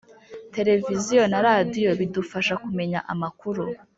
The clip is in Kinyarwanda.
Televiziyo na radio bidufasha kumenya amakuru